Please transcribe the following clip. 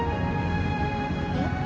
えっ？